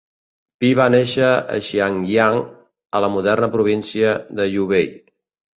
Pi va néixer a Xiangyang, a la moderna província de Hubei.